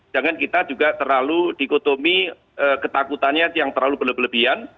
jangan kita juga terlalu dikotomi ketakutannya yang terlalu berlebihan